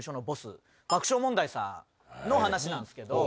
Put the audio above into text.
爆笑問題さんの話なんですけど。